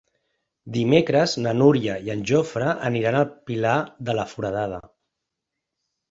Dimecres na Núria i en Jofre aniran al Pilar de la Foradada.